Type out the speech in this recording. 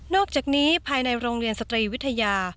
อกจากนี้ภายในโรงเรียนสตรีวิทยา